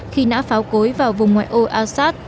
khi nã pháo cối vào vùng ngoại ô assad